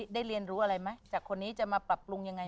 ได้เรียนรู้อะไรมั้ยจากคนนี้จะมาปรับปรุงยังไงมั้ย